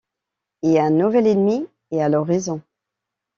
Et un nouvel ennemi est à l'horizon…